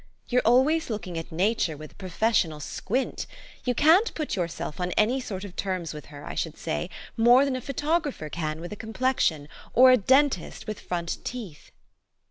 You're always looking at Nature with a professional squint : }'ou can't put yourself on any sort of terms with her, I should say, more than a photographer can with a complexion, or a dentist with front teeth."